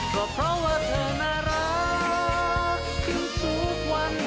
ก็เพราะว่าเธอน่ารักขึ้นทุกวัน